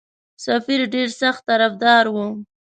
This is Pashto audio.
سفیر ډېر سخت طرفدار وو.